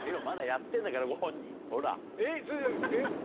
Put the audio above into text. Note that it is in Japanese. まだやってんだからご本人。